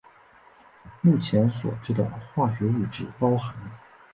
目前所知的化学物质包含。